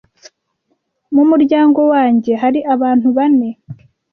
Mu muryango wanjye hari abantu bane.